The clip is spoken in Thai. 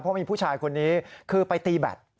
เพราะมีผู้ชายคนนี้คือไปตีแบต